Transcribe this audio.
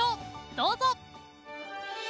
どうぞ！